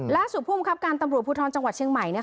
ล่าสู่ภูมิครับการตำรวจภูทรจังหวัดเชียงใหม่